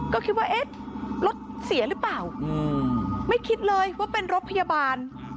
ก็คิดว่าเอ๊ะรถเสียหรือเปล่าไม่คิดเลยว่าเป็นรถพยาบาล